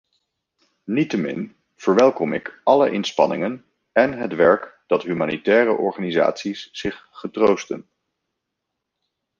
Niettemin verwelkom ik alle inspanningen en het werk dat humanitaire organisaties zich getroosten.